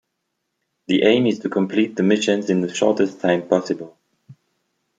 The aim is to complete the missions in the shortest time possible.